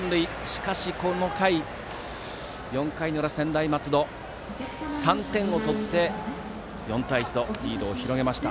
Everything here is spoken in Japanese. しかし、４回の裏専大松戸は３点を取って４対１とリードを広げました。